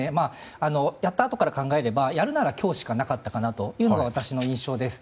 やったあとから考えればやるなら今日しかなかったというのが私の印象です。